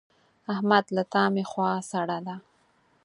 احمد له تا مې خوا سړه ده.